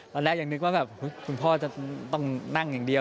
แรกยังนึกว่าแบบคุณพ่อจะต้องนั่งอย่างเดียว